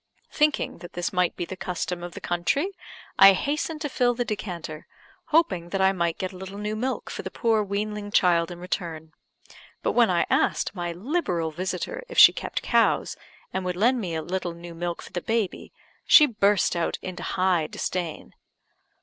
Thinking that this might be the custom of the country, I hastened to fill the decanter, hoping that I might get a little new milk for the poor weanling child in return; but when I asked my liberal visitor if she kept cows, and would lend me a little new milk for the baby, she burst out into high disdain.